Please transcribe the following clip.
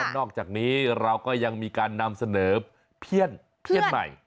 นอกจากนี้เราก็ยังมีการนำเสนอเพี้ยนเพี้ยนใหม่